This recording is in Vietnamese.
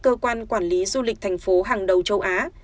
cơ quan quản lý du lịch thành phố hàng đầu châu á